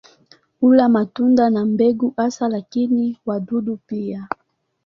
Hula matunda na mbegu hasa lakini wadudu pia.